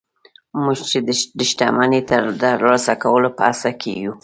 موږ چې د شتمني د ترلاسه کولو په هڅه کې يو.